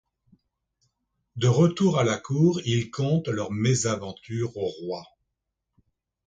De retour à la Cour, ils content leur mésaventure au roi.